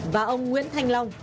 và ông nguyễn thanh long